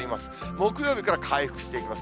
木曜日から回復していきます。